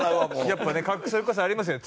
やっぱねそれこそありますよね